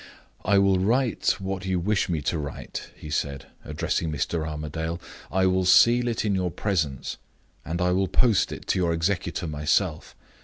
"I will write what you wish me to write," he said, addressing Mr. Armadale. "I will seal it in your presence; and I will post it to your executor myself.